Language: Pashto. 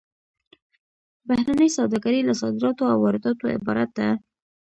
بهرنۍ سوداګري له صادراتو او وارداتو عبارت ده